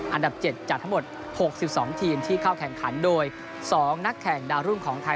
อันดับ๗จากทั้งหมด๖๒ทีมที่เข้าแข่งขันโดย๒นักแข่งดาวรุ่งของไทย